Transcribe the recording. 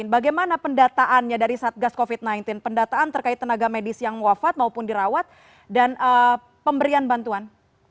bagaimana pendataannya dari satgas covid sembilan belas pendataan terkait tenaga medis yang wafat maupun dirawat dan pemberian bantuan